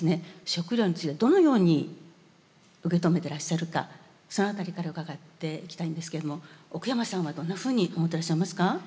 食料についてどのように受け止めてらっしゃるかそのあたりから伺っていきたいんですけれども奥山さんはどんなふうに思ってらっしゃいますか？